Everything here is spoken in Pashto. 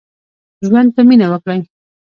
ژوند په مينه وکړئ.